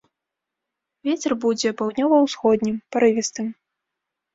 Вецер будзе паўднёва-ўсходнім, парывістым.